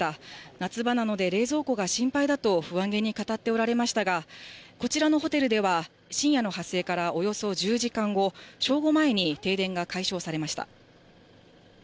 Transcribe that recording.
夏場なので、冷蔵庫が心配だと不安げに語っておられましたが、こちらのホテルでは、深夜の発生からおよそ１０時間後、正午前に停電が解消されました。